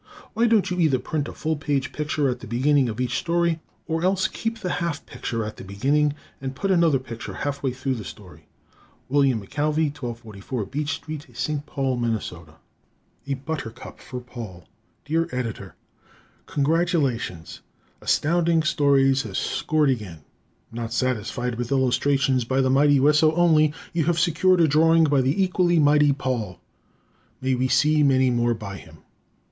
Why don't you either print a full page picture at the beginning of each story or else keep the half page picture at the beginning and put another picture halfway through the story? Wm. McCalvy, 1244 Beech St., St. Paul, Minn. A Buttercup for Paul Dear Editor: Congratulations! Astounding Stories has scored again! Not satisfied with illustrations by the mighty Wesso only, you have secured a drawing by the equally mighty Paul! May we see many more by him?